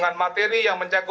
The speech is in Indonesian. dan mencocokkan kepala